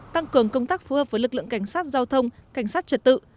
tăng cường công tác phối hợp với lực lượng cảnh sát giao thông cảnh sát trật tự